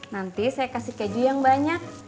nanti saya kasih keju yang banyak